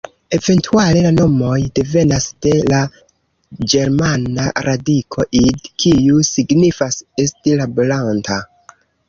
Eventuale la nomoj devenas de la ĝermana radiko "id-", kiu signifas "esti laboranta".